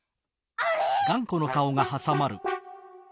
あれ？